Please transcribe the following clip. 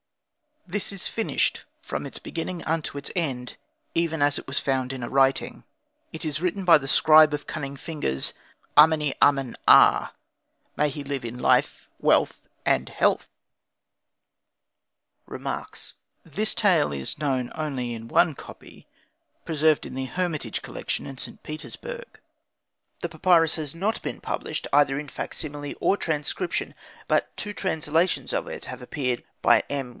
This is finished from its beginning unto its end, even as it was found in a writing. It is written by the scribe of cunning fingers Ameni amen aa; may he live in life, wealth, and health! Remarks This tale is only known in one copy, preserved in the Hermitage collection at St. Petersburg. The papyrus has not yet been published, either in facsimile or transcription. But two translations of it have appeared by M.